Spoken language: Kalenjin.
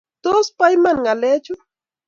Tos pi iman ng'alechu?